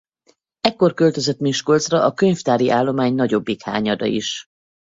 Ekkor költözött Miskolcra a könyvtári állomány nagyobbik hányada is.